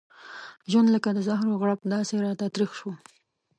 ژوند لکه د زهرو غړپ داسې راته تريخ شو.